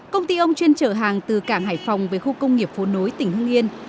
công ty ông chuyên trở hàng từ cảng hải phòng về khu công nghiệp phố nối tỉnh hưng yên